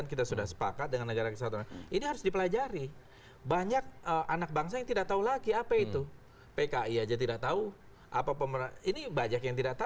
itu kita disebutnya g tiga puluh s